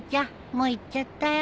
もう行っちゃったよ。